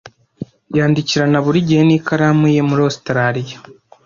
Yandikirana buri gihe n'ikaramu ye muri Ositaraliya.